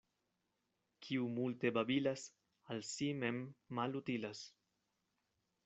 Kiu multe babilas, al si mem malutilas.